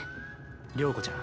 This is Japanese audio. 了子ちゃん